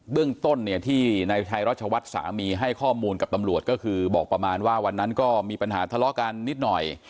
เรื่องต้นเนี่ยที่นายชัยรัชวัฒน์สามีให้ข้อมูลกับตำรวจก็คือบอกประมาณว่าวันนั้นก็มีปัญหาทะเลาะกันนิดหน่อย